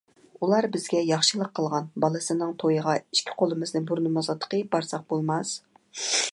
ئۇلار بىزگە ياخشىلىق قىلغان، بالىسىنىڭ تويىغا ئىككى قولىمىزنى بۇرنىمىزغا تىقىپ بارساق بولماس.